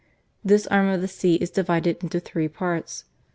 This arm of the sea is divided into three parts.